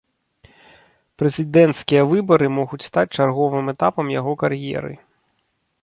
Прэзідэнцкія выбары могуць стаць чарговым этапам яго кар'еры.